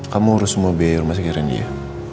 kamu urus semua biaya rumah sekiranya dia